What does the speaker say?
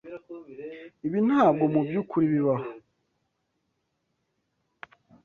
Ibi ntabwo mubyukuri bibaho.